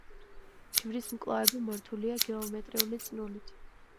ჯვრის მკლავები მორთულია გეომეტრიული წნულით.